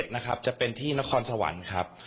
นะครับจะเป็นที่นครสวรรค์ครับ